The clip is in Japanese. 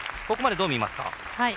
ここまで、どう見ますか？